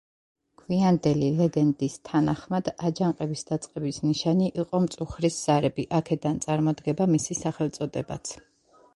გვიანდელი ლეგენდის თანახმად, აჯანყების დაწყების ნიშანი იყო მწუხრის ზარები, აქედან წარმოდგა მისი სახელწოდებაც.